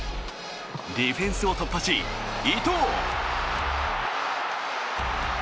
ディフェンスを突破し伊東。